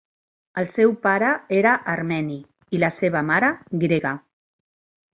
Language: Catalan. El seu pare era armeni i la seva mare, grega.